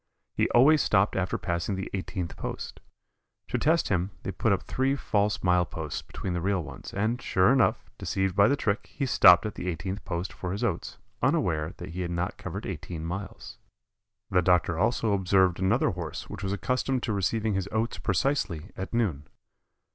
He always stopped after passing the eighteenth post. To test him they put up three false mile posts between the real ones, and, sure enough, deceived by the trick, he stopped at the eighteenth post for his oats, unaware that he had not covered eighteen miles. The doctor also observed another Horse which was accustomed to receiving his oats precisely at noon.